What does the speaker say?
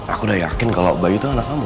aku udah yakin kalau bayi itu anak kamu